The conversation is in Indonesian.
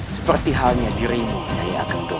seperti halnya dirimu yang akan doa